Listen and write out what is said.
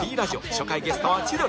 初回ゲストは千鳥